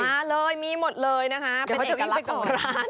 มาเลยมีหมดเลยนะคะเป็นเอกลักษณ์ของร้าน